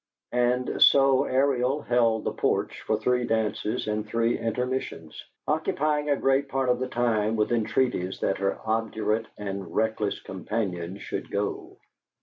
And so Ariel held the porch for three dances and three intermissions, occupying a great part of the time with entreaties that her obdurate and reckless companion should go.